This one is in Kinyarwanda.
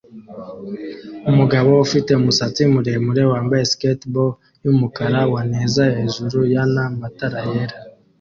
Umugabo ufite umusatsi muremure wambaye skatebo yumukara wanezahejuru yana matara yera